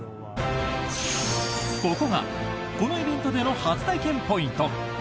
ここがこのイベントでの初体験ポイント